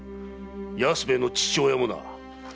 安兵衛の父親もな！